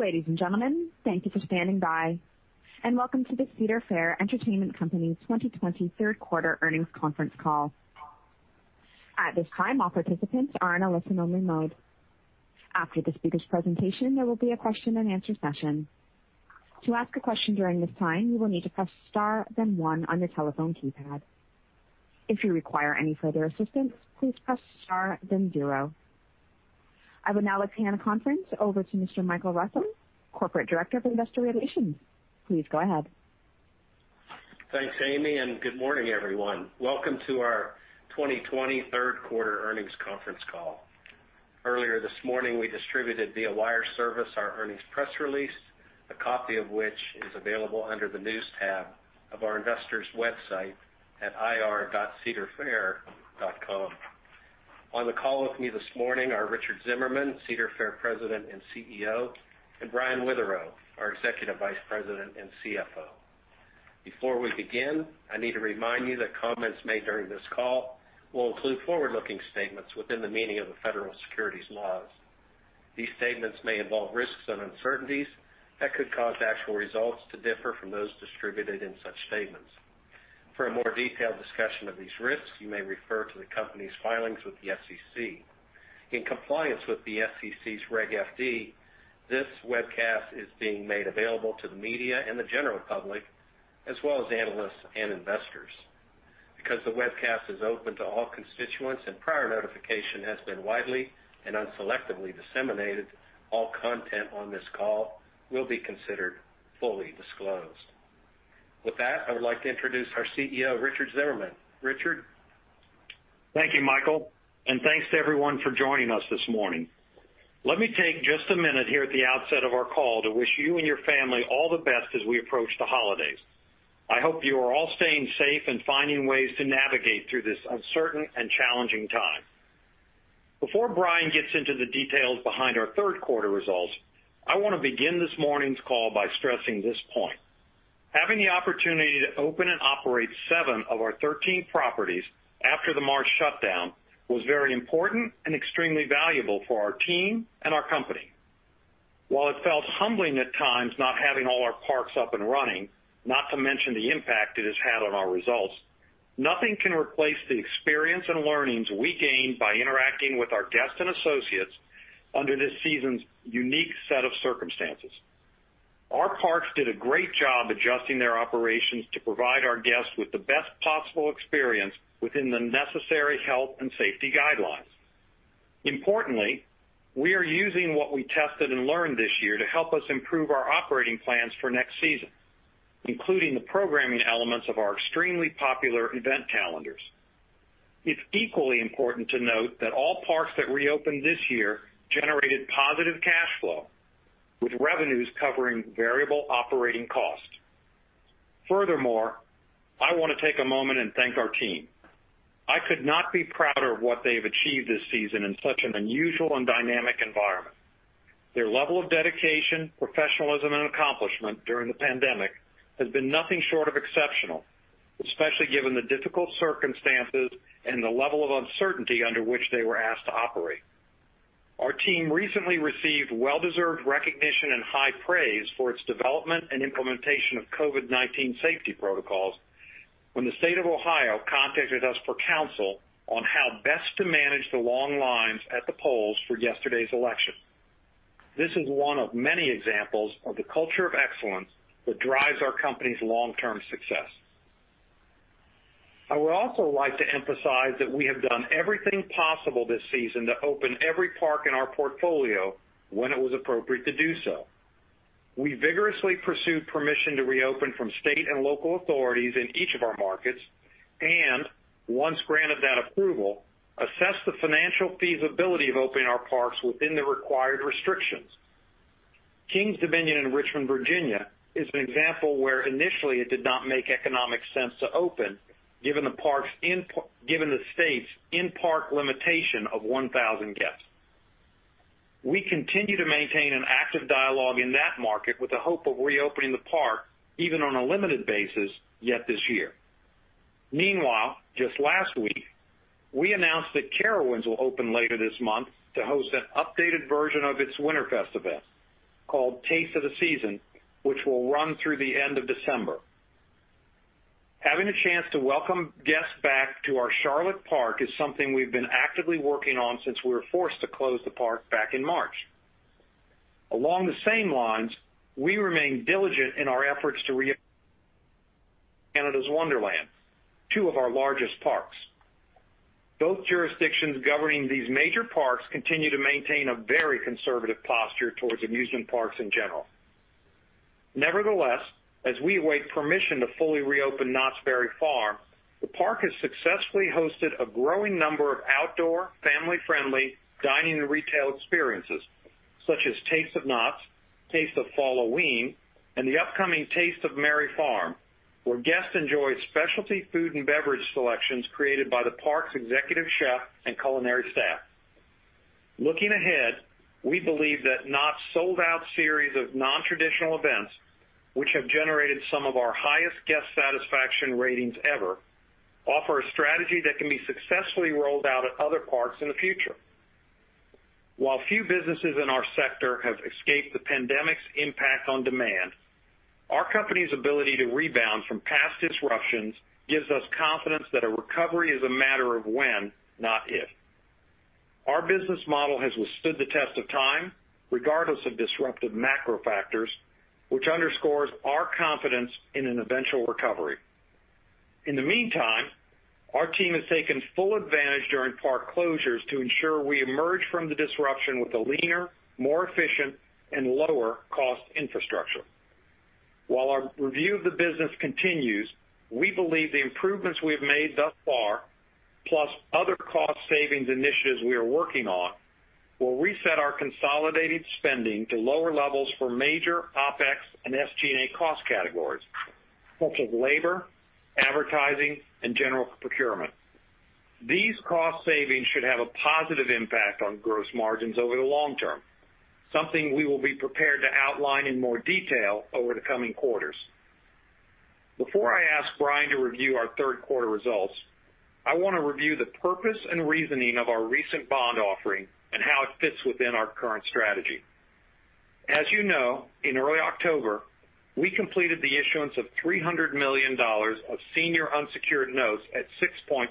Ladies and gentlemen, thank you for standing by, and welcome to the Cedar Fair Entertainment Company's 2020 third quarter earnings conference call. At this time, all participants are in a listen-only mode. After the speaker's presentation, there will be a question-and-answer session. To ask a question during this time, you will need to press star, then one on your telephone keypad. If you require any further assistance, please press star, then zero. I would now like to hand the conference over to Mr. Michael Russell, Corporate Director of Investor Relations. Please go ahead. Thanks, Amy, and good morning, everyone. Welcome to our 2020 third quarter earnings conference call. Earlier this morning, we distributed via wire service our earnings press release, a copy of which is available under the News tab of our investors' website at ir.cedarfair.com. On the call with me this morning are Richard Zimmerman, Cedar Fair President and CEO, and Brian Witherow, our Executive Vice President and CFO. Before we begin, I need to remind you that comments made during this call will include forward-looking statements within the meaning of the federal securities laws. These statements may involve risks and uncertainties that could cause actual results to differ from those distributed in such statements. For a more detailed discussion of these risks, you may refer to the company's filings with the SEC. In compliance with the SEC's Reg FD, this webcast is being made available to the media and the general public, as well as analysts and investors. Because the webcast is open to all constituents and prior notification has been widely and unselectively disseminated, all content on this call will be considered fully disclosed. With that, I would like to introduce our CEO, Richard Zimmerman. Richard? Thank you, Michael, and thanks to everyone for joining us this morning. Let me take just a minute here at the outset of our call to wish you and your family all the best as we approach the holidays. I hope you are all staying safe and finding ways to navigate through this uncertain and challenging time. Before Brian gets into the details behind our third quarter results, I wanna begin this morning's call by stressing this point: Having the opportunity to open and operate seven of our 13 properties after the March shutdown was very important and extremely valuable for our team and our company. While it felt humbling at times, not having all our parks up and running, not to mention the impact it has had on our results, nothing can replace the experience and learnings we gained by interacting with our guests and associates under this season's unique set of circumstances. Our parks did a great job adjusting their operations to provide our guests with the best possible experience within the necessary health and safety guidelines. Importantly, we are using what we tested and learned this year to help us improve our operating plans for next season, including the programming elements of our extremely popular event calendars. It's equally important to note that all parks that reopened this year generated positive cash flow, with revenues covering variable operating costs. Furthermore, I wanna take a moment and thank our team. I could not be prouder of what they have achieved this season in such an unusual and dynamic environment. Their level of dedication, professionalism, and accomplishment during the pandemic has been nothing short of exceptional, especially given the difficult circumstances and the level of uncertainty under which they were asked to operate. Our team recently received well-deserved recognition and high praise for its development and implementation of COVID-19 safety protocols when the state of Ohio contacted us for counsel on how best to manage the long lines at the polls for yesterday's election. This is one of many examples of the culture of excellence that drives our company's long-term success. I would also like to emphasize that we have done everything possible this season to open every park in our portfolio when it was appropriate to do so. We vigorously pursued permission to reopen from state and local authorities in each of our markets, and once granted that approval, assessed the financial feasibility of opening our parks within the required restrictions. Kings Dominion in Richmond, Virginia, is an example where initially it did not make economic sense to open, given the state's in-park limitation of 1000 guests. We continue to maintain an active dialogue in that market with the hope of reopening the park, even on a limited basis, yet this year. Meanwhile, just last week, we announced that Carowinds will open later this month to host an updated version of its WinterFest event, called Taste of the Season, which will run through the end of December. Having a chance to welcome guests back to our Charlotte park is something we've been actively working on since we were forced to close the park back in March. Along the same lines, we remain diligent in our efforts to reopen Canada's Wonderland, two of our largest parks. Both jurisdictions governing these major parks continue to maintain a very conservative posture towards amusement parks in general. Nevertheless, as we await permission to fully reopen Knott's Berry Farm, the park has successfully hosted a growing number of outdoor, family-friendly dining and retail experiences, such as Taste of Knott's, Taste of Fall-O-Ween, and the upcoming Taste of Merry Farm, where guests enjoy specialty food and beverage selections created by the park's executive chef and culinary staff. Looking ahead, we believe that Knott's sold-out series of non-traditional events, which have generated some of our highest guest satisfaction ratings ever-... Offer a strategy that can be successfully rolled out at other parks in the future. While few businesses in our sector have escaped the pandemic's impact on demand, our company's ability to rebound from past disruptions gives us confidence that a recovery is a matter of when, not if. Our business model has withstood the test of time, regardless of disruptive macro factors, which underscores our confidence in an eventual recovery. In the meantime, our team has taken full advantage during park closures to ensure we emerge from the disruption with a leaner, more efficient, and lower-cost infrastructure. While our review of the business continues, we believe the improvements we have made thus far, plus other cost savings initiatives we are working on, will reset our consolidated spending to lower levels for major OpEx and SG&A cost categories, such as labor, advertising, and general procurement. These cost savings should have a positive impact on gross margins over the long term, something we will be prepared to outline in more detail over the coming quarters. Before I ask Brian to review our third quarter results, I want to review the purpose and reasoning of our recent bond offering and how it fits within our current strategy. As you know, in early October, we completed the issuance of $300 million of senior unsecured notes at 6.5%.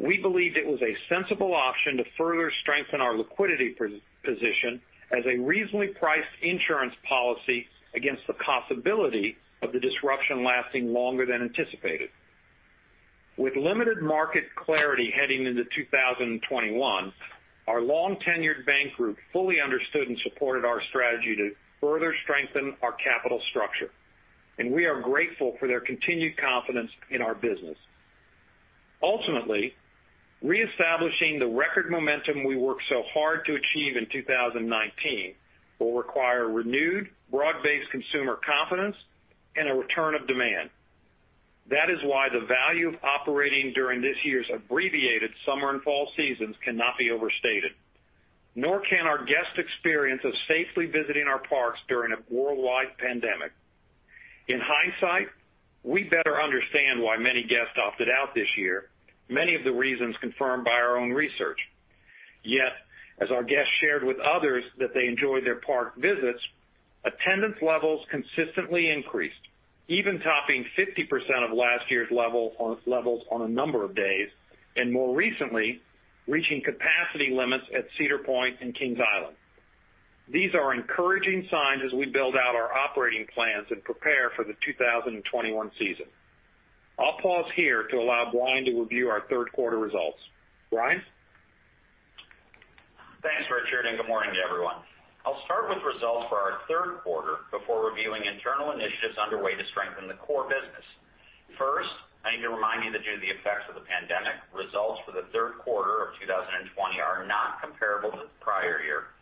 We believed it was a sensible option to further strengthen our liquidity position, as a reasonably priced insurance policy against the possibility of the disruption lasting longer than anticipated. With limited market clarity heading into 2021, our long-tenured bank group fully understood and supported our strategy to further strengthen our capital structure, and we are grateful for their continued confidence in our business. Ultimately, reestablishing the record momentum we worked so hard to achieve in 2019 will require renewed, broad-based consumer confidence and a return of demand. That is why the value of operating during this year's abbreviated summer and fall seasons cannot be overstated, nor can our guest experience of safely visiting our parks during a worldwide pandemic. In hindsight, we better understand why many guests opted out this year, many of the reasons confirmed by our own research. Yet, as our guests shared with others that they enjoyed their park visits, attendance levels consistently increased, even topping 50% of last year's levels on a number of days, and more recently, reaching capacity limits at Cedar Point and Kings Island. These are encouraging signs as we build out our operating plans and prepare for the 2021 season. I'll pause here to allow Brian to review our third quarter results. Brian? Thanks, Richard, and good morning to everyone. I'll start with results for our third quarter before reviewing internal initiatives underway to strengthen the core business. First, I need to remind you that due to the effects of the pandemic, results for the third quarter of 2020 are not comparable to the prior year,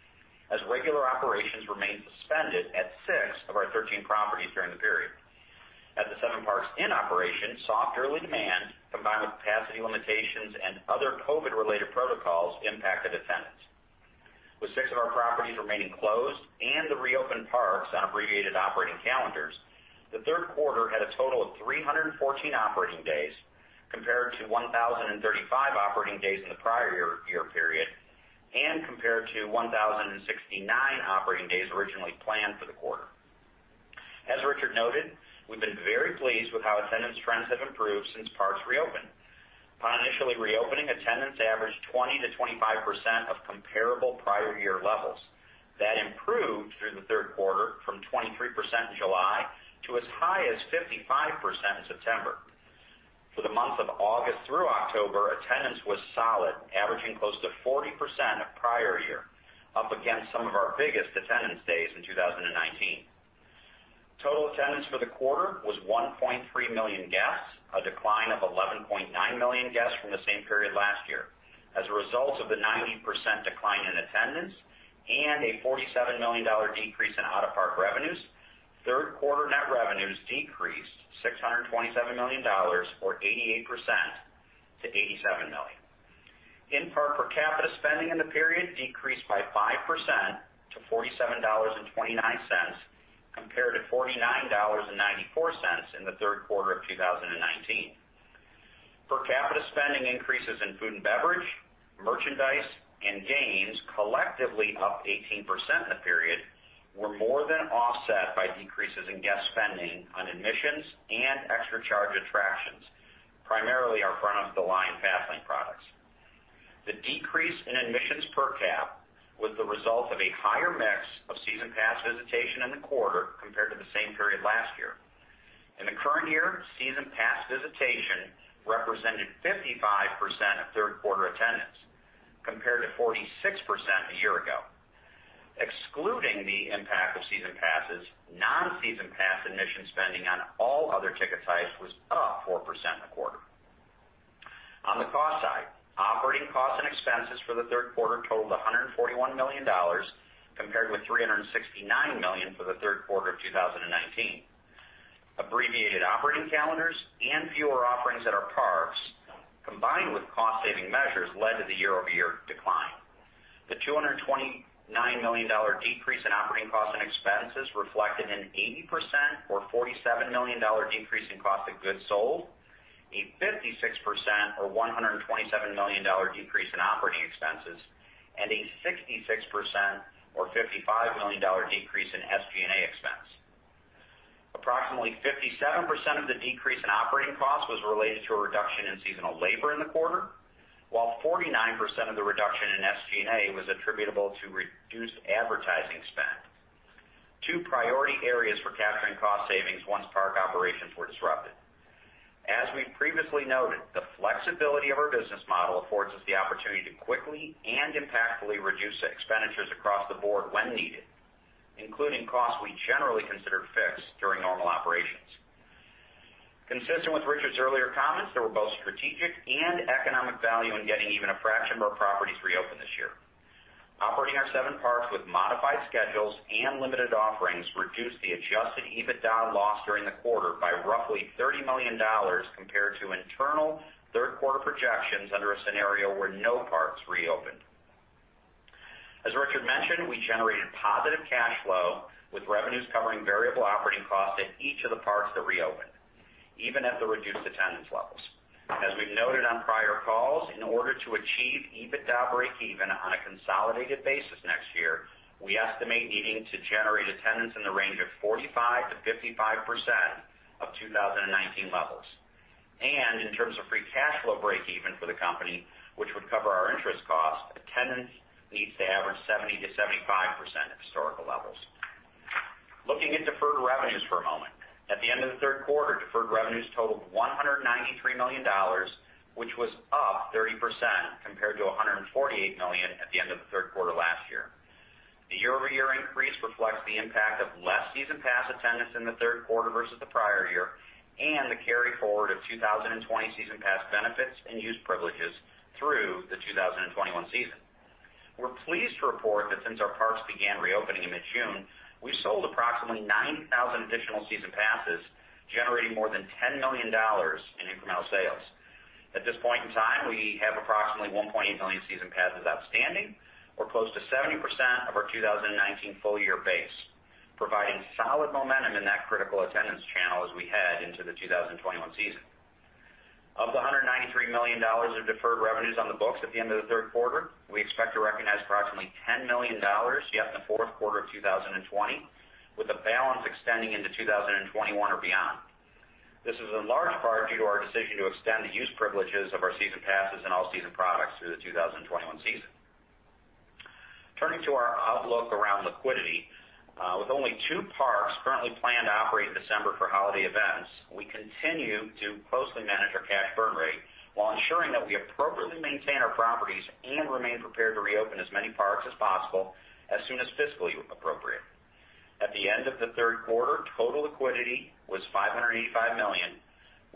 as regular operations remained suspended at six of our 13 properties during the period. At the seven parks in operation, soft early demand, combined with capacity limitations and other COVID-related protocols, impacted attendance. With six of our properties remaining closed and the reopened parks on abbreviated operating calendars, the third quarter had a total of 314 operating days, compared to 1,035 operating days in the prior year period, and compared to 1,069 operating days originally planned for the quarter. As Richard noted, we've been very pleased with how attendance trends have improved since parks reopened. Upon initially reopening, attendance averaged 20%-25% of comparable prior year levels. That improved through the third quarter from 23% in July to as high as 55% in September. For the month of August through October, attendance was solid, averaging close to 40% of prior year, up against some of our biggest attendance days in 2019. Total attendance for the quarter was 1.3 million guests, a decline of 11.9 million guests from the same period last year. As a result of the 90% decline in attendance and a $47 million decrease in out-of-park revenues, third quarter net revenues decreased $627 million or 88% to $87 million. In-park per capita spending in the period decreased by 5% to $47.29, compared to $49.94 in the third quarter of 2019. Per capita spending increases in food and beverage, merchandise, and games, collectively up 18% in the period, were more than offset by decreases in guest spending on admissions and extra charge attractions, primarily our front-of-the-line Fast Lane products. The decrease in admissions per cap was the result of a higher mix of season pass visitation in the quarter compared to the same period last year. In the current year, season pass visitation represented 55% of third quarter attendance, compared to 46% a year ago. Excluding the impact of season passes, non-season pass admission spending on all other ticket types was up 4% in the quarter. On the cost side, operating costs and expenses for the third quarter totaled $141 million, compared with $369 million for the third quarter of 2019. Abbreviated operating calendars and fewer offerings at our parks, combined with cost-saving measures, led to the year-over-year decline. The $229 million decrease in operating costs and expenses reflected an 80% or $47 million decrease in cost of goods sold, a 56% or $127 million decrease in operating expenses, and a 66% or $55 million decrease in SG&A expense. Approximately 57% of the decrease in operating costs was related to a reduction in seasonal labor in the quarter, while 49% of the reduction in SG&A was attributable to reduced advertising spend. Two priority areas for capturing cost savings once park operations were disrupted. As we've previously noted, the flexibility of our business model affords us the opportunity to quickly and impactfully reduce expenditures across the board when needed, including costs we generally consider fixed during normal operations. Consistent with Richard's earlier comments, there were both strategic and economic value in getting even a fraction of our properties reopened this year. Operating our seven parks with modified schedules and limited offerings reduced the Adjusted EBITDA loss during the quarter by roughly $30 million compared to internal third quarter projections under a scenario where no parks reopened. As Richard mentioned, we generated positive cash flow, with revenues covering variable operating costs at each of the parks that reopened, even at the reduced attendance levels. As we've noted on prior calls, in order to achieve EBITDA breakeven on a consolidated basis next year, we estimate needing to generate attendance in the range of 45%-55% of 2019 levels, and in terms of free cash flow breakeven for the company, which would cover our interest costs, attendance needs to average 70%-75% of historical levels. Looking at deferred revenues for a moment, at the end of the third quarter, deferred revenues totaled $193 million, which was up 30% compared to $148 million at the end of the third quarter last year. The year-over-year increase reflects the impact of less season pass attendance in the third quarter versus the prior year, and the carryforward of 2020 season pass benefits and use privileges through the 2021 season. We're pleased to report that since our parks began reopening in mid-June, we sold approximately 9,000 additional season passes, generating more than $10 million in incremental sales. At this point in time, we have approximately 1.8 million season passes outstanding, or close to 70% of our 2019 full-year base, providing solid momentum in that critical attendance channel as we head into the 2021 season. Of the $193 million of deferred revenues on the books at the end of the third quarter, we expect to recognize approximately $10 million yet in the fourth quarter of 2020, with a balance extending into 2021 or beyond. This is in large part due to our decision to extend the use privileges of our season passes and all-season products through the 2021 season. Turning to our outlook around liquidity, with only two parks currently planned to operate in December for holiday events, we continue to closely manage our cash burn rate while ensuring that we appropriately maintain our properties and remain prepared to reopen as many parks as possible as soon as fiscally appropriate. At the end of the third quarter, total liquidity was $585 million,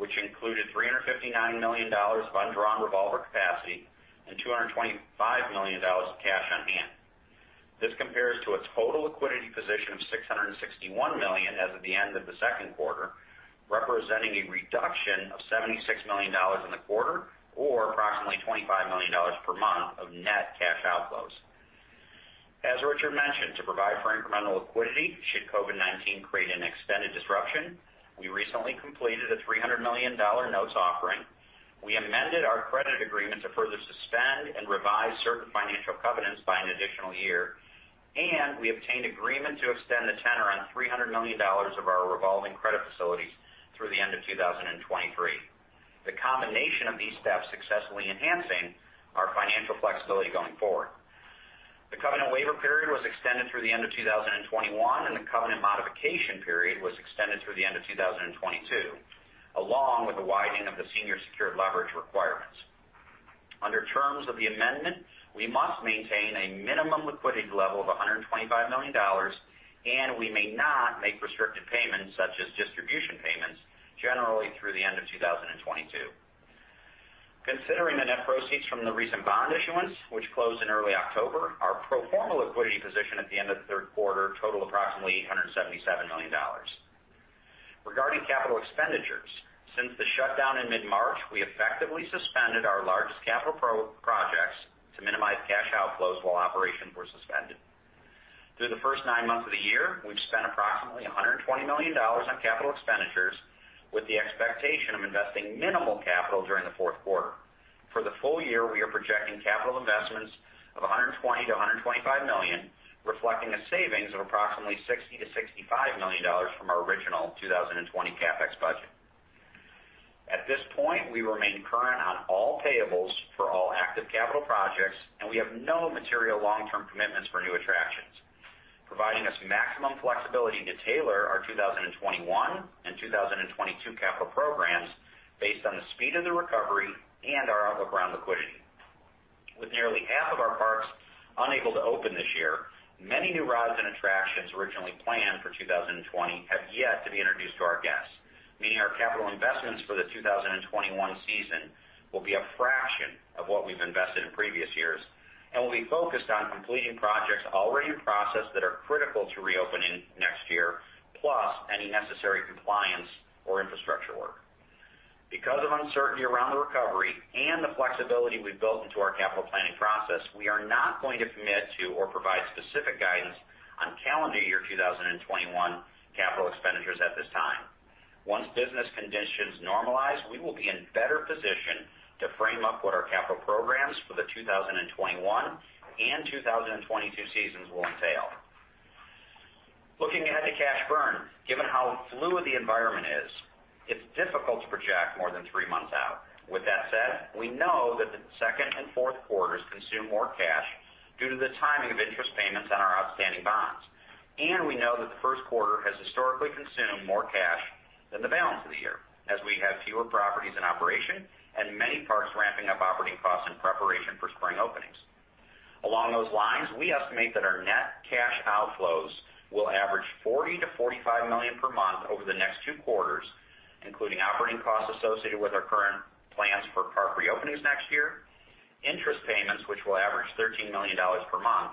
which included $359 million of undrawn revolver capacity and $225 million of cash on hand. This compares to a total liquidity position of $661 million as of the end of the second quarter, representing a reduction of $76 million in the quarter or approximately $25 million per month of net cash outflows. As Richard mentioned, to provide for incremental liquidity should COVID-19 create an extended disruption, we recently completed a $300 million notes offering. We amended our credit agreement to further suspend and revise certain financial covenants by an additional year, and we obtained agreement to extend the tenor on $300 million of our revolving credit facilities through the end of 2023. The combination of these steps successfully enhancing our financial flexibility going forward. The covenant waiver period was extended through the end of 2021, and the covenant modification period was extended through the end of 2022, along with a widening of the senior secured leverage requirements. Under terms of the amendment, we must maintain a minimum liquidity level of $125 million, and we may not make restricted payments, such as distribution payments, generally through the end of 2022. Considering the net proceeds from the recent bond issuance, which closed in early October, our pro forma liquidity position at the end of the third quarter totaled approximately $877 million. Regarding capital expenditures, since the shutdown in mid-March, we effectively suspended our largest capital projects to minimize cash outflows while operations were suspended. Through the first nine months of the year, we've spent approximately $120 million on capital expenditures, with the expectation of investing minimal capital during the fourth quarter. For the full year, we are projecting capital investments of $120 million-$125 million, reflecting a savings of approximately $60 million-$65 million from our original 2020 CapEx budget. At this point, we remain current on all payables for all active capital projects, and we have no material long-term commitments for new attractions, providing us maximum flexibility to tailor our 2021 and 2022 capital programs based on the speed of the recovery and our outlook around liquidity. With nearly half of our parks unable to open this year, many new rides and attractions originally planned for 2020 have yet to be introduced to our guests, meaning our capital investments for the 2021 season will be a fraction of what we've invested in previous years and will be focused on completing projects already in process that are critical to reopening next year, plus any necessary compliance or infrastructure work. Because of uncertainty around the recovery and the flexibility we've built into our capital planning process, we are not going to commit to or provide specific guidance on calendar year 2021 capital expenditures at this time. Once business conditions normalize, we will be in better position to frame up what our capital programs for the 2021 and 2022 seasons will entail. Looking ahead to cash burn, given how fluid the environment is, it's difficult to project more than three months out. With that said, we know that the second and fourth quarters consume more cash due to the timing of interest payments on our outstanding bonds. And we know that the first quarter has historically consumed more cash than the balance of the year, as we have fewer properties in operation and many parks ramping up operating costs in preparation for spring openings. Along those lines, we estimate that our net cash outflows will average $40 million-$45 million per month over the next two quarters, including operating costs associated with our current plans for park reopenings next year, interest payments, which will average $13 million per month,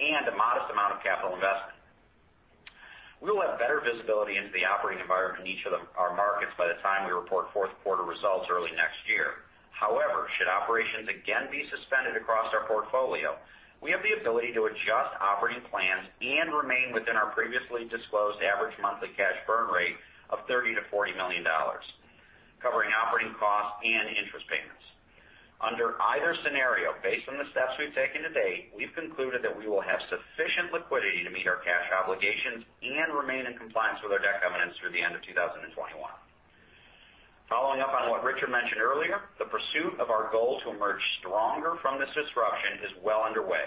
and a modest amount of capital investment. We will have better visibility into the operating environment in each of our markets by the time we report fourth quarter results early next year. However, should operations again be suspended across our portfolio, we have the ability to adjust operating plans and remain within our previously disclosed average monthly cash burn rate of $30 million-$40 million, covering operating costs and interest payments. Under either scenario, based on the steps we've taken to date, we've concluded that we will have sufficient liquidity to meet our cash obligations and remain in compliance with our debt covenants through the end of 2021. Following up on what Richard mentioned earlier, the pursuit of our goal to emerge stronger from this disruption is well underway.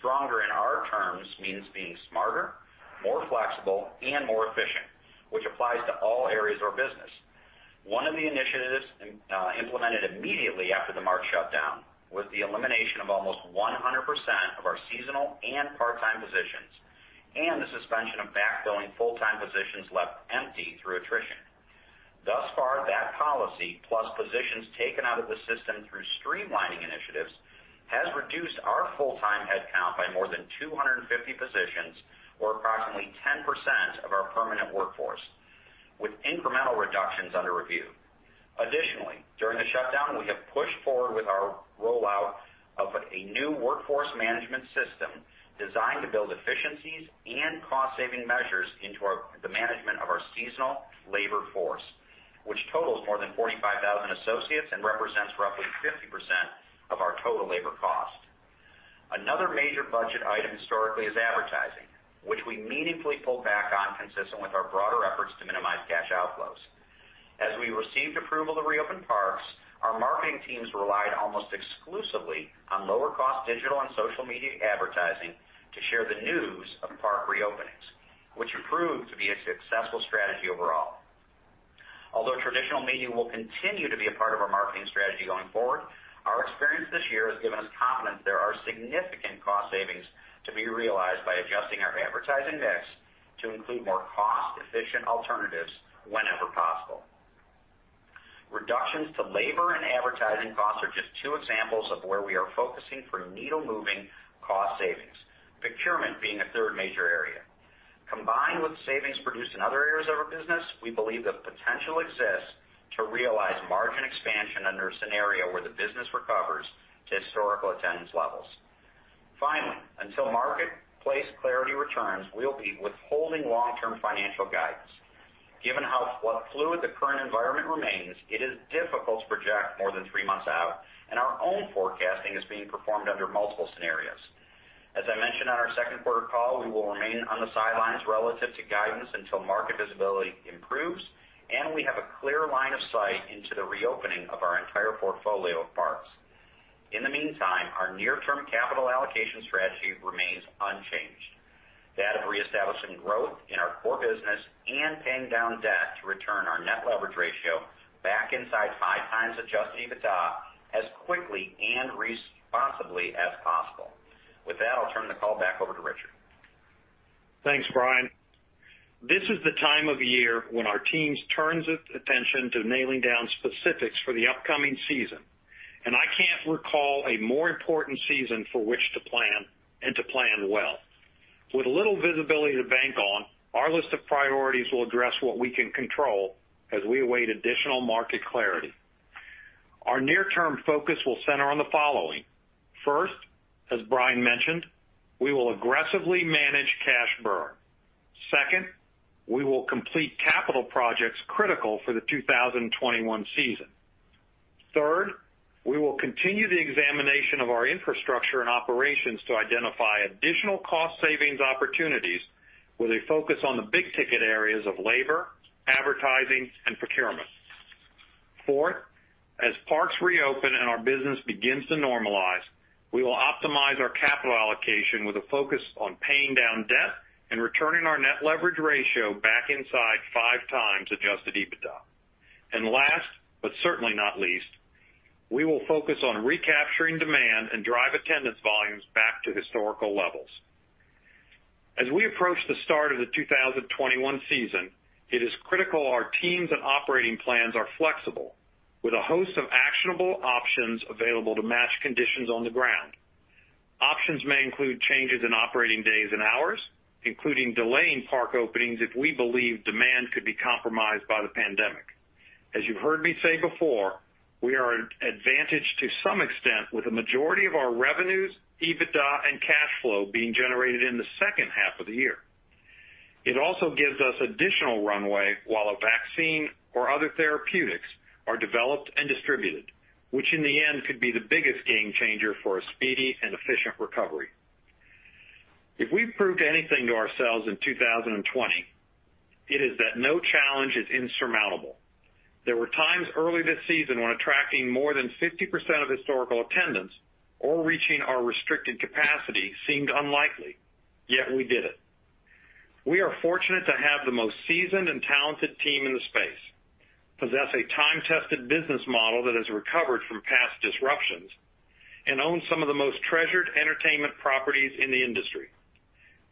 Stronger, in our terms, means being smarter, more flexible, and more efficient, which applies to all areas of our business. One of the initiatives implemented immediately after the March shutdown was the elimination of almost 100% of our seasonal and part-time positions, and the suspension of backfilling full-time positions left empty through attrition. Thus far, that policy, plus positions taken out of the system through streamlining initiatives, has reduced our full-time headcount by more than 250 positions, or approximately 10% of our permanent workforce, with incremental reductions under review. Additionally, during the shutdown, we have pushed forward with our rollout of a new workforce management system designed to build efficiencies and cost-saving measures into the management of our seasonal labor force, which totals more than 45,000 associates and represents roughly 50% of our total labor cost. Another major budget item historically is advertising, which we meaningfully pulled back on, consistent with our broader efforts to minimize cash outflows. As we received approval to reopen parks, our marketing teams relied almost exclusively on lower-cost digital and social media advertising to share the news of park reopenings, which proved to be a successful strategy overall. Although traditional media will continue to be a part of our marketing strategy going forward, our experience this year has given us confidence there are significant cost savings to be realized by adjusting our advertising mix to include more cost-efficient alternatives whenever possible. Reductions to labor and advertising costs are just two examples of where we are focusing for needle-moving cost savings, procurement being a third major area. Combined with savings produced in other areas of our business, we believe the potential exists to realize margin expansion under a scenario where the business recovers to historical attendance levels. Finally, until marketplace clarity returns, we will be withholding long-term financial guidance. Given how fluid the current environment remains, it is difficult to project more than three months out, and our own forecasting is being performed under multiple scenarios. As I mentioned on our second quarter call, we will remain on the sidelines relative to guidance until market visibility improves and we have a clear line of sight into the reopening of our entire portfolio of parks. In the meantime, our near-term capital allocation strategy remains unchanged, that of reestablishing growth in our core business and paying down debt to return our net leverage ratio back inside five times Adjusted EBITDA as quickly and responsibly as possible. With that, I'll turn the call back over to Richard. Thanks, Brian. This is the time of year when our teams turns its attention to nailing down specifics for the upcoming season, and I can't recall a more important season for which to plan and to plan well. With little visibility to bank on, our list of priorities will address what we can control as we await additional market clarity. Our near-term focus will center on the following: First, as Brian mentioned, we will aggressively manage cash burn. Second, we will complete capital projects critical for the 2021 season. Third, we will continue the examination of our infrastructure and operations to identify additional cost savings opportunities with a focus on the big-ticket areas of labor, advertising, and procurement. Fourth, as parks reopen and our business begins to normalize, we will optimize our capital allocation with a focus on paying down debt and returning our net leverage ratio back inside five times Adjusted EBITDA. And last, but certainly not least, we will focus on recapturing demand and drive attendance volumes back to historical levels. As we approach the start of the 2021 season, it is critical our teams and operating plans are flexible, with a host of actionable options available to match conditions on the ground.... Options may include changes in operating days and hours, including delaying park openings if we believe demand could be compromised by the pandemic. As you've heard me say before, we are at advantage to some extent, with the majority of our revenues, EBITDA, and cash flow being generated in the second half of the year. It also gives us additional runway while a vaccine or other therapeutics are developed and distributed, which in the end, could be the biggest game changer for a speedy and efficient recovery. If we've proved anything to ourselves in 2020, it is that no challenge is insurmountable. There were times early this season when attracting more than 50% of historical attendance or reaching our restricted capacity seemed unlikely, yet we did it. We are fortunate to have the most seasoned and talented team in the space, possess a time-tested business model that has recovered from past disruptions, and own some of the most treasured entertainment properties in the industry.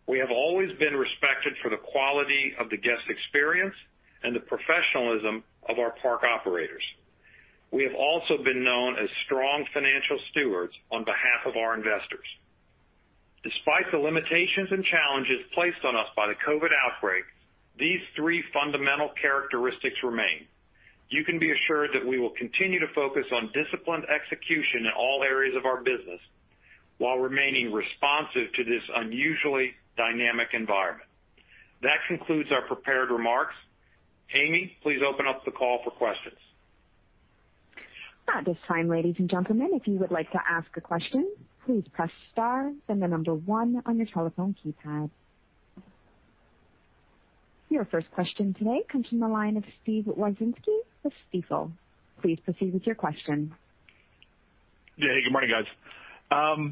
We have always been respected for the quality of the guest experience and the professionalism of our park operators. We have also been known as strong financial stewards on behalf of our investors. Despite the limitations and challenges placed on us by the COVID outbreak, these three fundamental characteristics remain. You can be assured that we will continue to focus on disciplined execution in all areas of our business while remaining responsive to this unusually dynamic environment. That concludes our prepared remarks. Amy, please open up the call for questions. At this time, ladies and gentlemen, if you would like to ask a question, please press star, then the number one on your telephone keypad. Your first question today comes from the line of Steve Wieczynski with Stifel. Please proceed with your question. Yeah, hey, good morning, guys.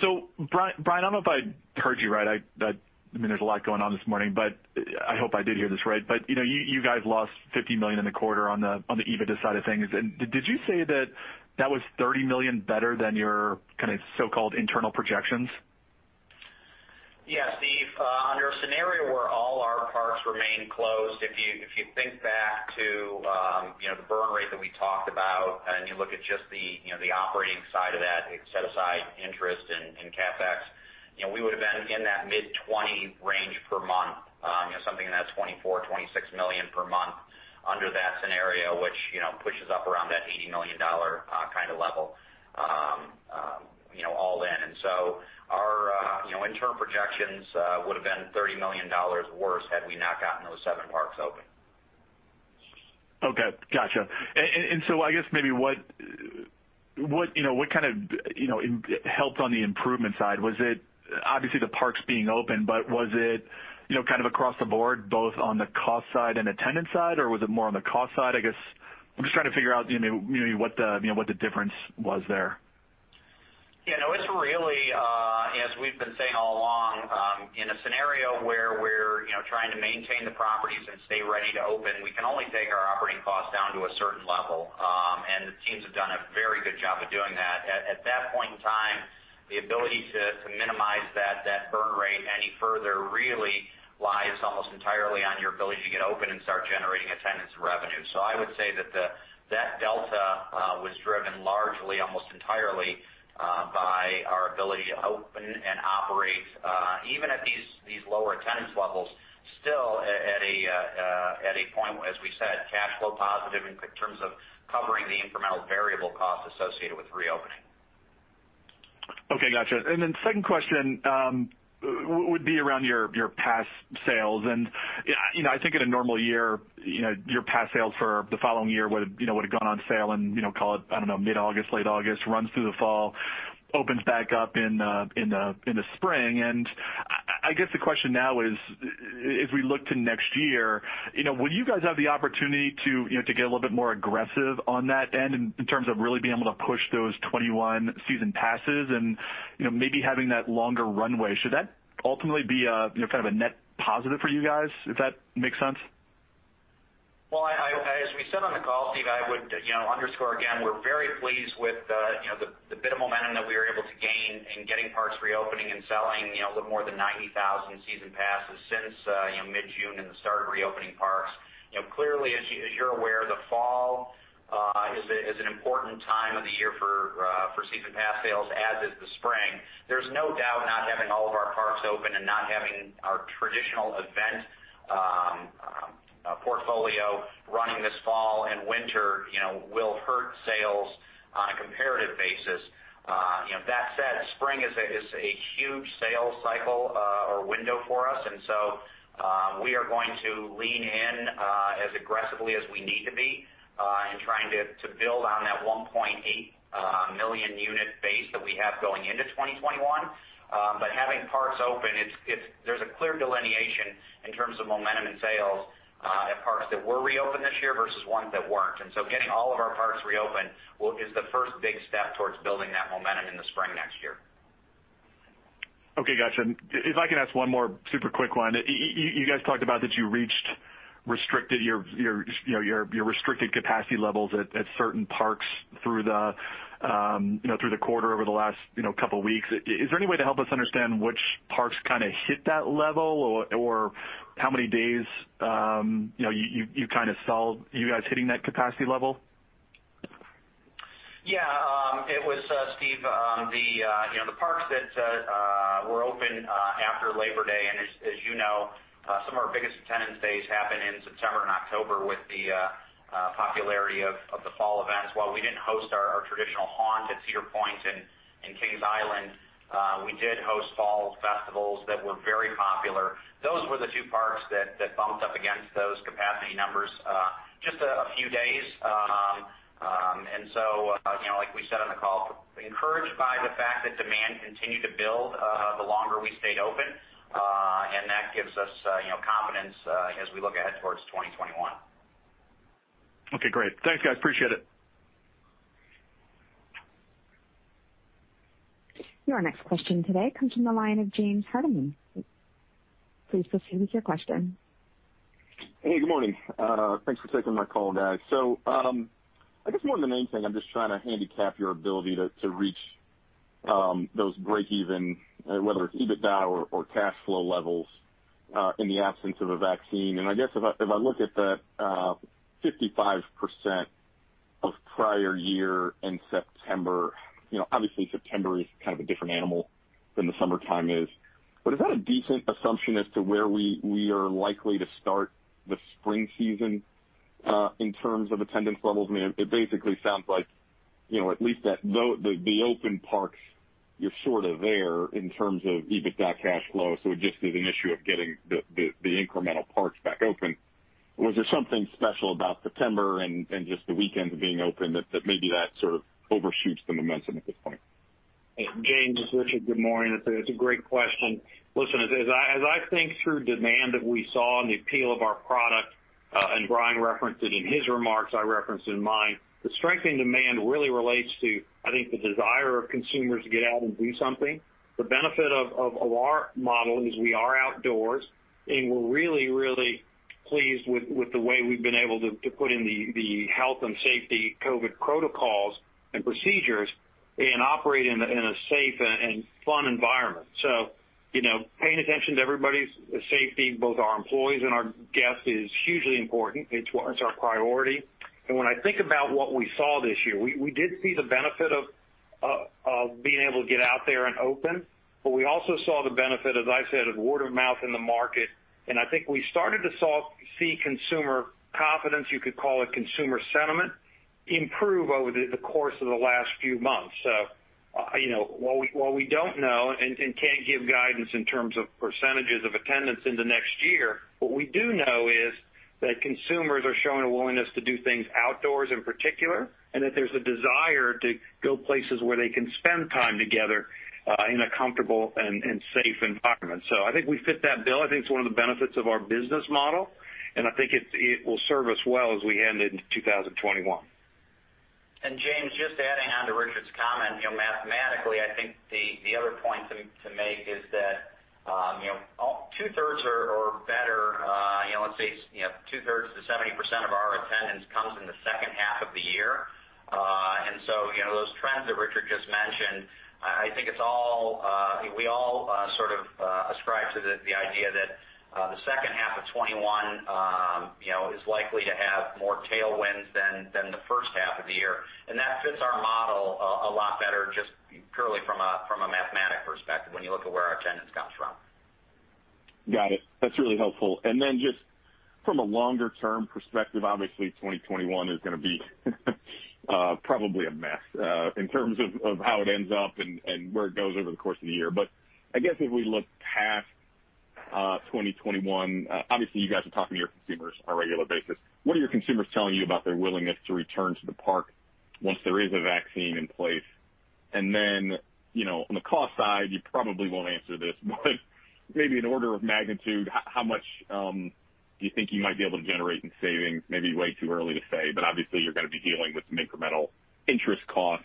So Brian, I don't know if I heard you right. I mean, there's a lot going on this morning, but I hope I did hear this right. But, you know, you guys lost $50 million in the quarter on the EBITDA side of things. And did you say that was $30 million better than your kinda so-called internal projections? Yeah, Steve, under a scenario where all our parks remain closed, if you think back to, you know, the burn rate that we talked about, and you look at just the, you know, the operating side of that, set aside interest and CapEx, you know, we would have been in that mid-twenty range per month, you know, something in that 24 million-26 million per month under that scenario, which, you know, pushes up around that $80 million kind of level, you know, all in. And so our, you know, internal projections would have been $30 million worse had we not gotten those seven parks open. Okay, gotcha. And so I guess maybe you know what kind of you know helped on the improvement side? Was it obviously the parks being open, but was it you know kind of across the board, both on the cost side and attendance side, or was it more on the cost side? I guess I'm just trying to figure out you know maybe you know what the difference was there. Yeah, no, it's really, as we've been saying all along, in a scenario where we're, you know, trying to maintain the properties and stay ready to open, we can only take our operating costs down to a certain level, and the teams have done a very good job of doing that. At that point in time, the ability to minimize that burn rate any further really lies almost entirely on your ability to get open and start generating attendance and revenue. So I would say that that delta was driven largely, almost entirely, by our ability to open and operate, even at these lower attendance levels, still at a point, as we said, cash flow positive in terms of covering the incremental variable costs associated with reopening. Okay, gotcha. And then second question, would be around your, your pass sales. And, you know, I think in a normal year, you know, your pass sales for the following year would have, you know, would have gone on sale and, you know, call it, I don't know, mid-August, late August, runs through the fall, opens back up in, in the spring. And I guess the question now is, as we look to next year, you know, will you guys have the opportunity to, you know, to get a little bit more aggressive on that end in terms of really being able to push those 2021 season passes and, you know, maybe having that longer runway? Should that ultimately be a, you know, kind of a net positive for you guys, if that makes sense? As we said on the call, Steve, I would, you know, underscore again, we're very pleased with the, you know, the bit of momentum that we were able to gain in getting parks reopening and selling, you know, a little more than 90,000 season passes since, you know, mid-June and the start of reopening parks. You know, clearly, as you're aware, the fall is an important time of the year for season pass sales, as is the spring. There's no doubt not having all of our parks open and not having our traditional event portfolio running this fall and winter, you know, will hurt sales on a comparative basis. You know, that said, spring is a huge sales cycle or window for us, and so we are going to lean in as aggressively as we need to be in trying to build on that 1.8 million unit base that we have going into 2021. But having parks open. There's a clear delineation in terms of momentum and sales at parks that were reopened this year versus ones that weren't, and so getting all of our parks reopened is the first big step towards building that momentum in the spring next year. Okay, gotcha. If I can ask one more super quick one. You guys talked about that you reached your restricted capacity levels at certain parks through the quarter, over the last couple weeks. Is there any way to help us understand which parks kind of hit that level or how many days you know you kind of saw you guys hitting that capacity level? Yeah, it was, Steve, you know, the parks that were open after Labor Day, and as you know, some of our biggest attendance days happen in September and October with the popularity of the fall events. While we didn't host our traditional Haunt at Cedar Point and Kings Island, we did host fall festivals that were very popular. Those were the two parks that bumped up against those capacity numbers just a few days. And so, you know, like we said on the call, encouraged by the fact that demand continued to build the longer we stayed open, and that gives us, you know, confidence as we look ahead towards 2021. Okay, great. Thank you. I appreciate it. Your next question today comes from the line of James Hardiman. Please proceed with your question. Hey, good morning. Thanks for taking my call, guys, so I guess more than anything, I'm just trying to handicap your ability to reach those breakeven, whether it's EBITDA or cash flow levels, in the absence of a vaccine, and I guess if I look at the 55% of prior year in September, you know, obviously September is kind of a different animal than the summertime is, but is that a decent assumption as to where we are likely to start the spring season in terms of attendance levels? I mean, it basically sounds like, you know, at least that though the open parks, you're sort of there in terms of EBITDA cash flow, so it just is an issue of getting the incremental parks back open. Was there something special about September and just the weekends being open that maybe sort of overshoots the momentum at this point? Hey, James, it's Richard. Good morning. It's a great question. Listen, as I think through demand that we saw and the appeal of our product, and Brian referenced it in his remarks, I referenced it in mine, the strengthening demand really relates to, I think, the desire of consumers to get out and do something. The benefit of our model is we are outdoors, and we're really pleased with the way we've been able to put in the health and safety COVID protocols and procedures and operate in a safe and fun environment. So, you know, paying attention to everybody's safety, both our employees and our guests, is hugely important. It's our priority. And when I think about what we saw this year, we did see the benefit of being able to get out there and open, but we also saw the benefit, as I said, of word of mouth in the market. And I think we started to see consumer confidence, you could call it consumer sentiment, improve over the course of the last few months. So, you know, while we don't know and can't give guidance in terms of percentages of attendance in the next year, what we do know is that consumers are showing a willingness to do things outdoors, in particular, and that there's a desire to go places where they can spend time together in a comfortable and safe environment. So I think we fit that bill. I think it's one of the benefits of our business model, and I think it will serve us well as we head into 2021. James, just adding on to Richard's comment, you know, mathematically, I think the other point to make is that, you know, two-thirds or better, you know, let's say, you know, two-thirds to 70% of our attendance comes in the second half of the year. And so, you know, those trends that Richard just mentioned, I think it's all. We all sort of ascribe to the idea that the second half of 2021, you know, is likely to have more tailwinds than the first half of the year. And that fits our model a lot better, just purely from a mathematical perspective when you look at where our attendance comes from. Got it. That's really helpful. And then just from a longer-term perspective, obviously, 2021 is gonna be probably a mess in terms of of how it ends up and and where it goes over the course of the year. But I guess if we look past 2021, obviously, you guys are talking to your consumers on a regular basis. What are your consumers telling you about their willingness to return to the park once there is a vaccine in place? And then, you know, on the cost side, you probably won't answer this, but maybe an order of magnitude, how much do you think you might be able to generate in savings? Maybe way too early to say, but obviously, you're gonna be dealing with some incremental interest costs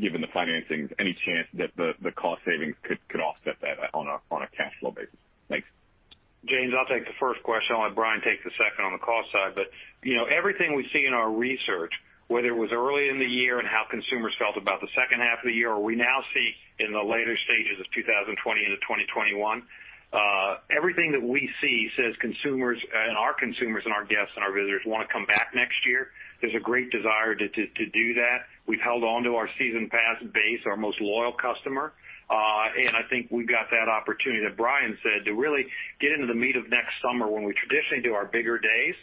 given the financings. Any chance that the cost savings could offset that on a cash flow basis? Thanks. James, I'll take the first question. I'll let Brian take the second on the cost side. But, you know, everything we see in our research, whether it was early in the year and how consumers felt about the second half of the year, or we now see in the later stages of 2020 into 2021, everything that we see says consumers and our consumers and our guests and our visitors wanna come back next year. There's a great desire to do that. We've held on to our season pass base, our most loyal customer. And I think we've got that opportunity that Brian said to really get into the meat of next summer when we traditionally do our bigger days.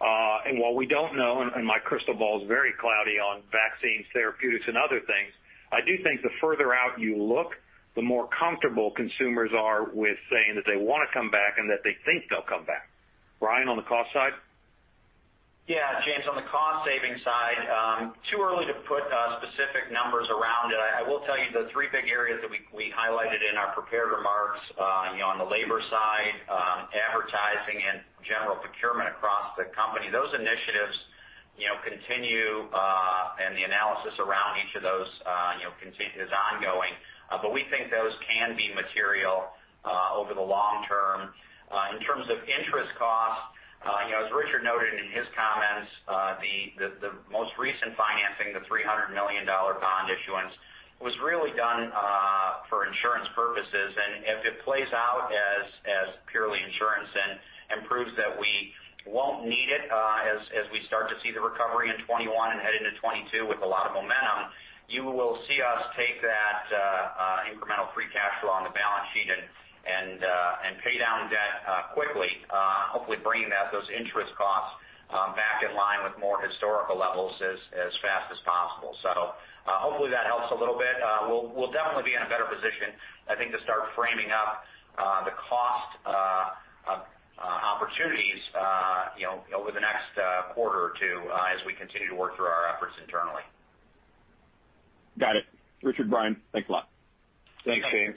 And while we don't know, and my crystal ball is very cloudy on vaccines, therapeutics, and other things, I do think the further out you look, the more comfortable consumers are with saying that they wanna come back and that they think they'll come back. Brian, on the cost side? Yeah, James, on the cost-saving side, too early to put specific numbers around it. I will tell you the three big areas that we highlighted in our prepared remarks, you know, on the labor side, advertising and general procurement across the company. Those initiatives, you know, continue, and the analysis around each of those, you know, continues, is ongoing. But we think those can be material over the long term. In terms of interest costs, you know, as Richard noted in his comments, the most recent financing, the $300 million bond issuance, was really done for insurance purposes. And if it plays out as purely insurance and proves that we won't need it, as we start to see the recovery in 2021 and head into 2022 with a lot of momentum. You will see us take that incremental free cash flow on the balance sheet and pay down debt quickly. Hopefully bringing those interest costs back in line with more historical levels as fast as possible. Hopefully, that helps a little bit. We'll definitely be in a better position, I think, to start framing up the cost opportunities, you know, over the next quarter or two as we continue to work through our efforts internally. Got it. Richard, Brian, thanks a lot. Thanks, James.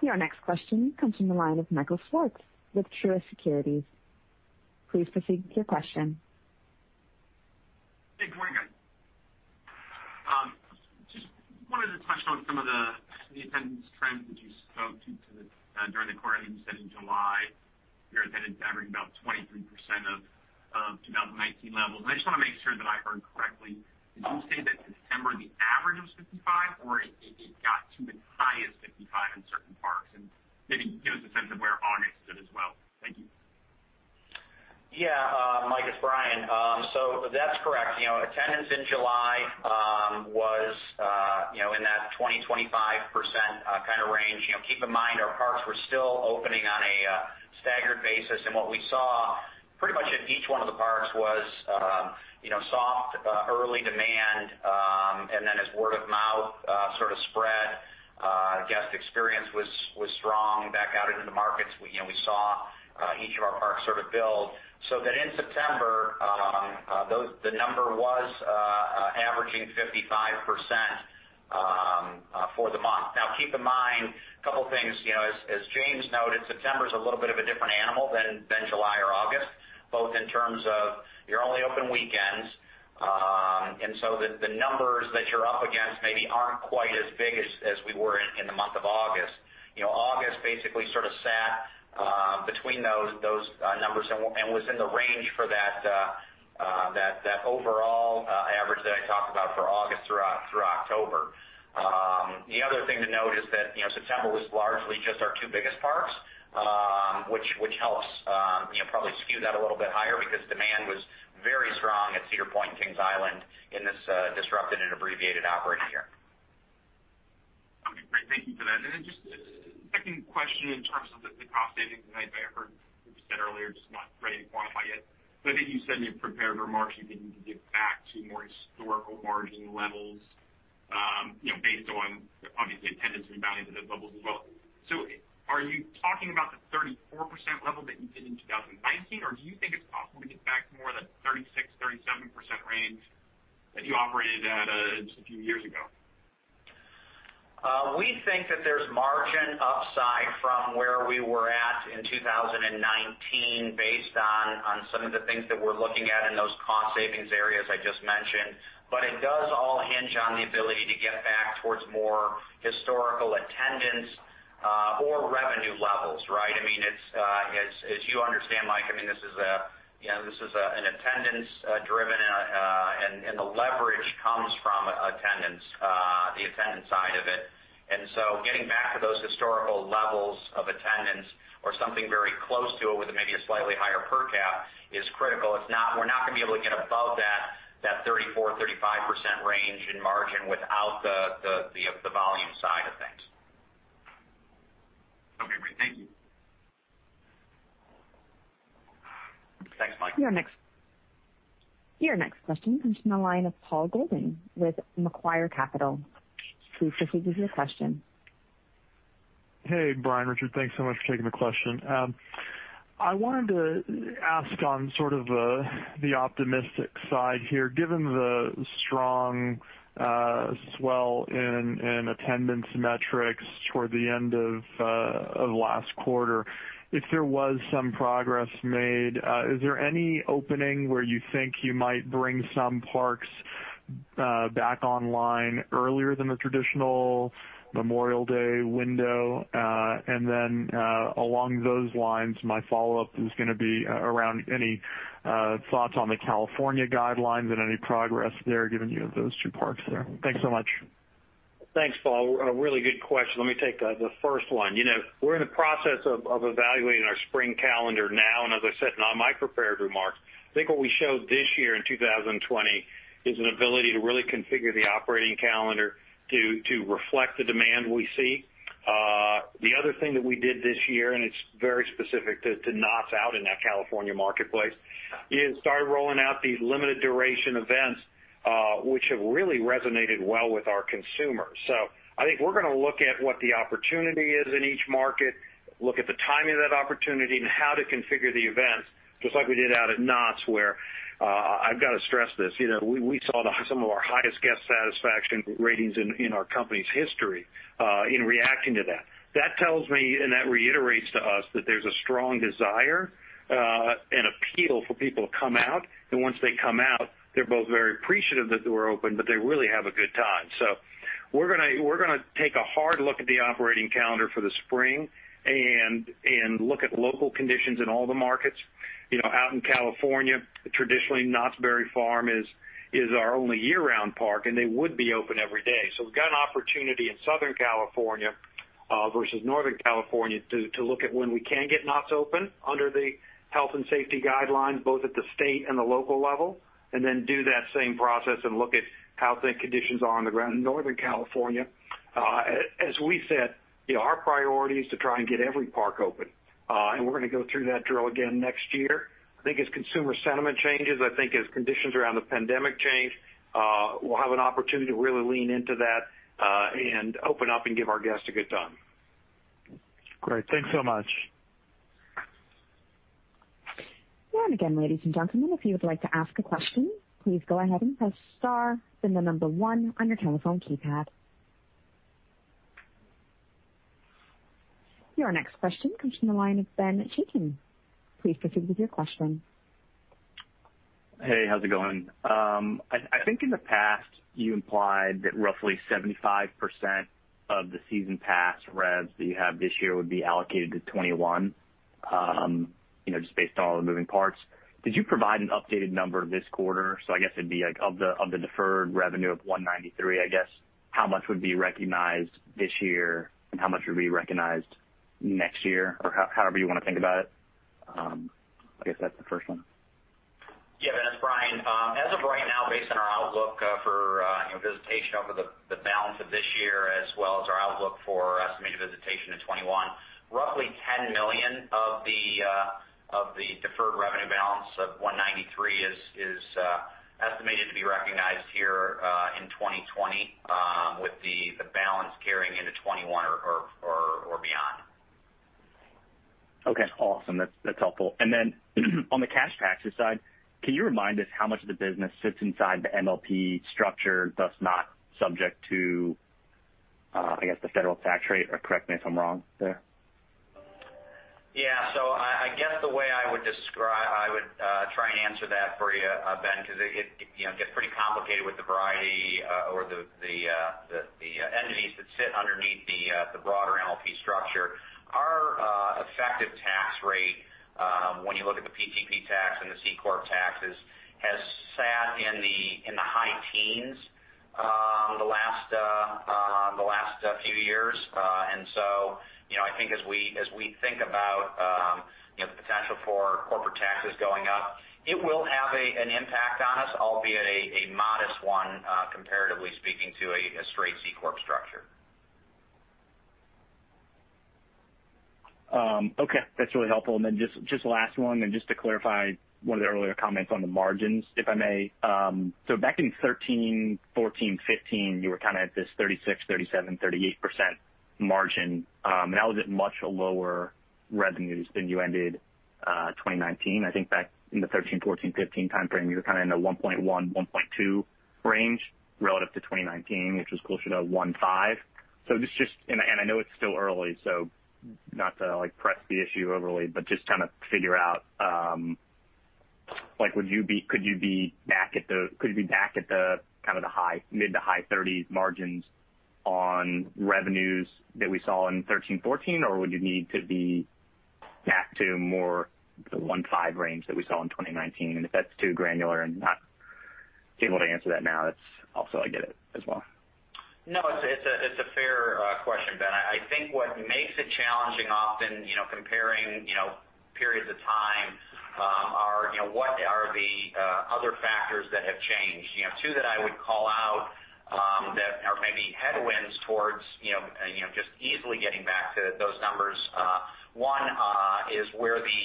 Your next question comes from the line of Michael Swartz with Truist Securities. Please proceed with your question. Hey, good morning, guys. Just wanted to touch on some of the attendance trends that you spoke to during the quarter. I think you said in July, your attendance averaging about 23% of 2019 levels, and I just wanna make sure that I heard correctly. Did you say that September, the average was 55%, or it got to as high as 55% in certain parks, and maybe give us a sense of where August stood as well. Thank you. Yeah, Mike, it's Brian. So that's correct. You know, attendance in July was you know in that 20%-25% kind of range. You know, keep in mind, our parks were still opening on a staggered basis, and what we saw pretty much at each one of the parks was you know soft early demand. And then as word of mouth sort of spread, guest experience was was strong back out into the markets. We you know we saw each of our parks sort of build, so that in September those- the number was averaging 55% for the month. Now, keep in mind, a couple things, you know, as James noted, September's a little bit of a different animal than July or August, both in terms of you're only open weekends, and so the numbers that you're up against maybe aren't quite as big as we were in the month of August. You know, August basically sort of sat between those numbers and was in the range for that overall average that I talked about for August through October. The other thing to note is that, you know, September was largely just our two biggest parks, which helps, you know, probably skew that a little bit higher because demand was very strong at Cedar Point and Kings Island in this disrupted and abbreviated operating year. Okay, great. Thank you for that. And then just a second question in terms of the cost savings, I heard you said earlier, just not ready to quantify yet. But I think you said in your prepared remarks, you think you can get back to more historical margin levels, you know, based on obviously, attendance rebounding to those levels as well. So are you talking about the 34% level that you did in 2019, or do you think it's possible to get back to more of the 36%-37% range that you operated at, just a few years ago? We think that there's margin upside from where we were at in 2019, based on some of the things that we're looking at in those cost savings areas I just mentioned. But it does all hinge on the ability to get back towards more historical attendance or revenue levels, right? I mean, as you understand, Mike, I mean, this is a, you know, this is an attendance driven, and the leverage comes from attendance, the attendance side of it. And so getting back to those historical levels of attendance or something very close to it, with maybe a slightly higher per cap, is critical. It's not- we're not gonna be able to get above that 34%-35% range in margin without the volume side of things. Okay, great. Thank you. Thanks, Mike. Your next question comes from the line of Paul Golding with Macquarie Capital. Please proceed with your question. Hey, Brian, Richard, thanks so much for taking the question. I wanted to ask on sort of the optimistic side here. Given the strong swell in attendance metrics toward the end of last quarter, if there was some progress made, is there any opening where you think you might bring some parks back online earlier than the traditional Memorial Day window? And then, along those lines, my follow-up is gonna be around any thoughts on the California guidelines and any progress there, given you have those two parks there. Thanks so much. Thanks, Paul. A really good question. Let me take the first one. You know, we're in the process of evaluating our spring calendar now, and as I said in all my prepared remarks, I think what we showed this year in 2020 is an ability to really configure the operating calendar to reflect the demand we see. The other thing that we did this year, and it's very specific to Knott's out in that California marketplace, is started rolling out these limited duration events, which have really resonated well with our consumers. So I think we're gonna look at what the opportunity is in each market, look at the timing of that opportunity, and how to configure the events, just like we did out at Knott's, where I've got to stress this, you know, we saw some of our highest guest satisfaction ratings in our company's history in reacting to that. That tells me, and that reiterates to us, that there's a strong desire and appeal for people to come out, and once they come out, they're both very appreciative that we're open, but they really have a good time. So we're gonna take a hard look at the operating calendar for the spring and look at local conditions in all the markets. You know, out in California, traditionally, Knott's Berry Farm is our only year-round park, and they would be open every day. So we've got an opportunity in Southern California versus Northern California to look at when we can get Knott's open under the health and safety guidelines, both at the state and the local level, and then do that same process and look at how things, conditions are on the ground in Northern California. As we said, you know, our priority is to try and get every park open, and we're gonna go through that drill again next year. I think as consumer sentiment changes, I think as conditions around the pandemic change, we'll have an opportunity to really lean into that, and open up and give our guests a good time. Great. Thanks so much. And again, ladies and gentlemen, if you would like to ask a question, please go ahead and press star, then the number one on your telephone keypad. Your next question comes from the line of Ben Chaiken. Please proceed with your question. Hey, how's it going? I think in the past, you implied that roughly 75% of the season pass revs that you have this year would be allocated to 2021, you know, just based on all the moving parts. Did you provide an updated number this quarter? So I guess it'd be, like, of the deferred revenue of 193, I guess, how much would be recognized this year, and how much would be recognized next year, or however you want to think about it? I guess that's the first one. Yeah, Ben, it's Brian. As of right now, based on our outlook for you know visitation over the balance of this year, as well as our outlook for estimated visitation in 2021, roughly 10 million of the deferred revenue balance of $193 million is estimated to be recognized here in 2020 with the balance carrying into 2021 or beyond. Okay, awesome. That's, that's helpful. And then, on the cash taxes side, can you remind us how much of the business sits inside the MLP structure, thus not subject to, I guess, the federal tax rate? Or correct me if I'm wrong there. Yeah, so I guess I would try and answer that for you, Ben, because it you know gets pretty complicated with the variety or the entities that sit underneath the broader MLP structure. Our effective tax rate, when you look at the PTP tax and the C Corp taxes, has sat in the high teens the last few years. So you know I think as we think about you know potential for corporate taxes going up, it will have an impact on us, albeit a modest one, comparatively speaking, to a straight C Corp structure. Okay, that's really helpful. And then just last one, and just to clarify one of the earlier comments on the margins, if I may. So back in 2013, 2014, 2015, you were kind of at this 36%, 37%, 38% margin, and that was at much lower revenues than you ended 2019. I think back in the 2013, 2014, 2015 time frame, you were kind of in the 1.1, 1.2 range relative to 2019, which was closer to 1.5. So just - and I know it's still early, so not to, like, press the issue overly, but just trying to figure out, like, could you be back at the kind of mid- to high 30s margins on revenues that we saw in 2013, 2014? Or would you need to be back to more like the 1.5 range that we saw in 2019, and if that's too granular and not able to answer that now, that's also. I get it as well. No, it's a, it's a fair question, Ben. I think what makes it challenging often, you know, comparing, you know, periods of time, are, you know, what are the other factors that have changed? You know, two that I would call out, that are maybe headwinds towards, you know, you know, just easily getting back to those numbers. One is where the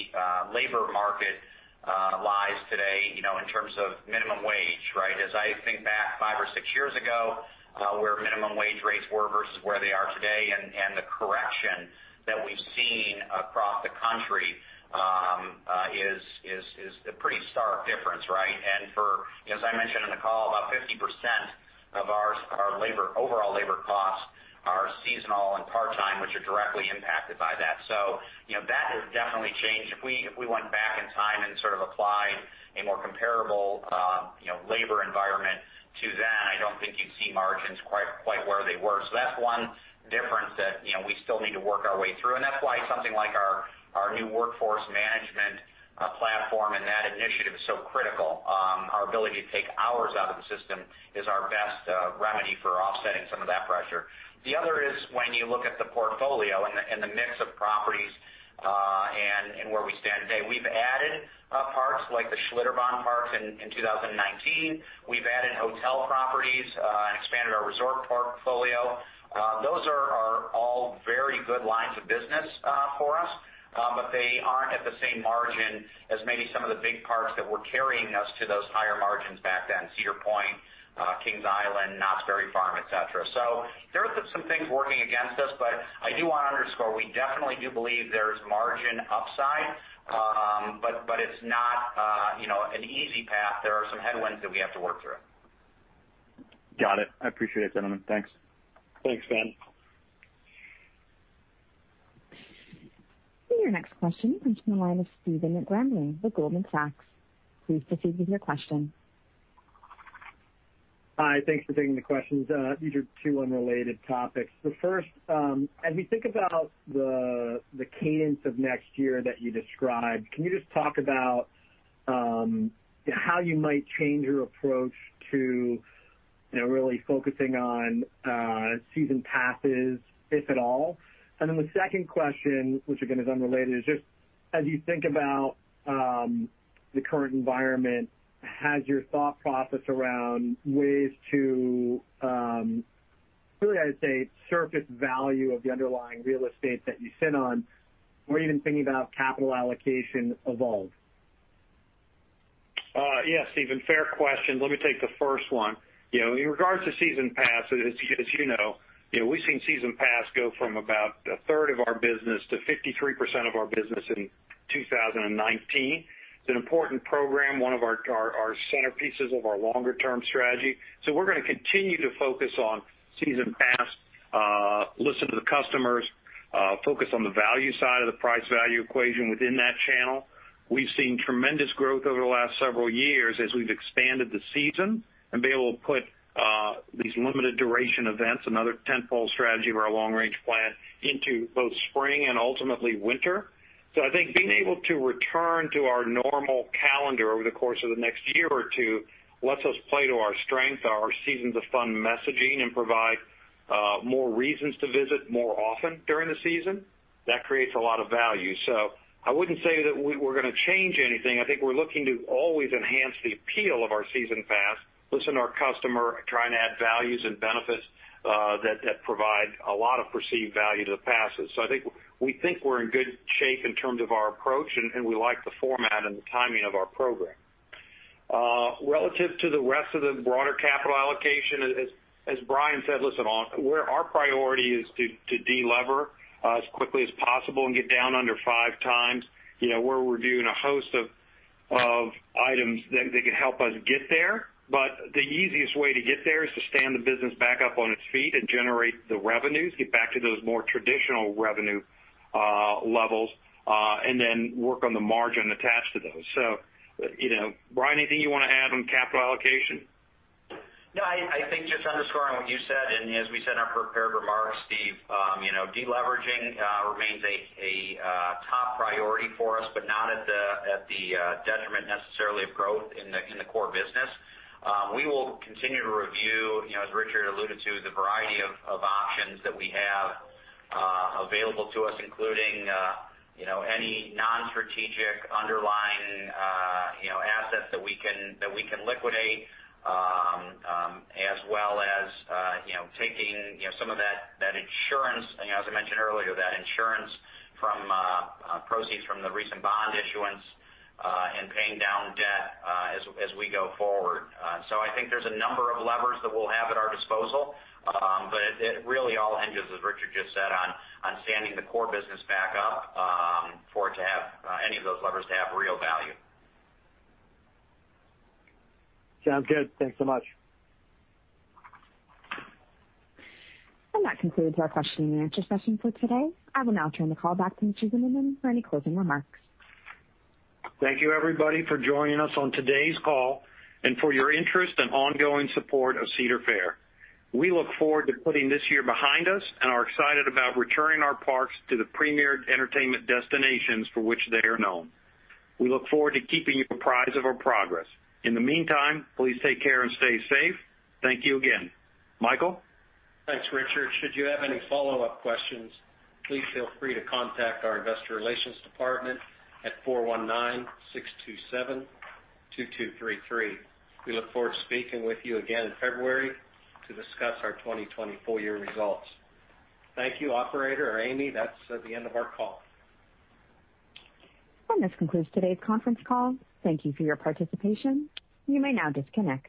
labor market lies today, you know, in terms of minimum wage, right? As I think back five or six years ago, where minimum wage rates were versus where they are today, and the correction that we've seen across the country, is a pretty stark difference, right? And for, as I mentioned in the call, about 50% of our, our labor, overall labor costs are seasonal and part-time, which are directly impacted by that. So, you know, that has definitely changed. If we went back in time and sort of applied a more comparable, you know, labor environment to then, I don't think you'd see margins quite where they were. So that's one difference that, you know, we still need to work our way through, and that's why something like our, our new workforce management platform and that initiative is so critical. Our ability to take hours out of the system is our best remedy for offsetting some of that pressure. The other is when you look at the portfolio and the mix of properties, and where we stand today. We've added parks like the Schlitterbahn parks in 2019. We've added hotel properties and expanded our resort portfolio. Those are all very good lines of business for us, but they aren't at the same margin as maybe some of the big parks that were carrying us to those higher margins back then, Cedar Point, Kings Island, Knott's Berry Farm, et cetera. So there are some things working against us, but I do want to underscore, we definitely do believe there's margin upside, but it's not, you know, an easy path. There are some headwinds that we have to work through. Got it. I appreciate it, gentlemen. Thanks. Thanks, Ben. And your next question comes from the line of Stephen Grambling with Goldman Sachs. Please proceed with your question. Hi, thanks for taking the questions. These are two unrelated topics. The first, as we think about the cadence of next year that you described, can you just talk about how you might change your approach to, you know, really focusing on season passes, if at all? And then the second question, which again, is unrelated, is just as you think about the current environment, has your thought process around ways to really, I'd say, surface value of the underlying real estate that you sit on, or even thinking about capital allocation evolved? Yeah, Stephen, fair question. Let me take the first one. You know, in regards to season pass, as you know, you know, we've seen season pass go from about a third of our business to 53% of our business in 2019. It's an important program, one of our centerpieces of our longer-term strategy. So we're gonna continue to focus on season pass, listen to the customers, focus on the value side of the price-value equation within that channel. We've seen tremendous growth over the last several years as we've expanded the season and been able to put these limited duration events, another tentpole strategy of our long range plan, into both spring and ultimately winter. So I think being able to return to our normal calendar over the course of the next year or two lets us play to our strength, our Seasons of Fun messaging, and provide more reasons to visit more often during the season. That creates a lot of value. So I wouldn't say that we're gonna change anything. I think we're looking to always enhance the appeal of our season pass, listen to our customer, try and add values and benefits that provide a lot of perceived value to the passes. So I think we think we're in good shape in terms of our approach, and we like the format and the timing of our program. Relative to the rest of the broader capital allocation, as Brian said, listen, our priority is to delever as quickly as possible and get down under five times, you know, where we're doing a host of items that can help us get there. But the easiest way to get there is to stand the business back up on its feet and generate the revenues, get back to those more traditional revenue levels, and then work on the margin attached to those. So, you know, Brian, anything you wanna add on capital allocation? No, I think just underscoring what you said, and as we said in our prepared remarks, Steve, you know, deleveraging remains a top priority for us, but not at the detriment necessarily of growth in the core business. We will continue to review, you know, as Richard alluded to, the variety of options that we have available to us, including, you know, any non-strategic underlying, you know, assets that we can liquidate, as well as, you know, taking, you know, some of that insurance, as I mentioned earlier, insurance proceeds from the recent bond issuance, and paying down debt, as we go forward. So I think there's a number of levers that we'll have at our disposal. But it really all hinges, as Richard just said, on standing the core business back up, for it to have any of those levers to have real value. Sounds good. Thanks so much. That concludes our question and answer session for today. I will now turn the call back to the gentlemen for any closing remarks. Thank you, everybody, for joining us on today's call and for your interest and ongoing support of Cedar Fair. We look forward to putting this year behind us and are excited about returning our parks to the premier entertainment destinations for which they are known. We look forward to keeping you apprised of our progress. In the meantime, please take care and stay safe. Thank you again. Michael? Thanks, Richard. Should you have any follow-up questions, please feel free to contact our investor relations department at 419-627-2233. We look forward to speaking with you again in February to discuss our 2020 full year results. Thank you, operator or Amy. That's the end of our call. This concludes today's conference call. Thank you for your participation. You may now disconnect.